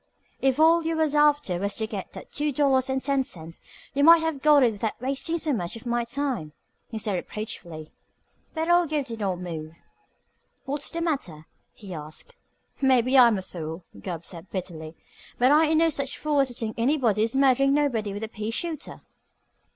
"If all you was after was to get that two dollars and ten cents, you might have got it without wastin' so much of my time," he said reproachfully. But old Gabe did not move. "What's the matter?" he asked. "Maybe I'm a fool," Gubb said bitterly, "but I ain't no such fool as to think anybody is murdering nobody with a pea shooter."